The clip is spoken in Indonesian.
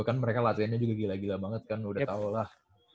kan mereka latihannya juga gila gila banget kan udah tau lah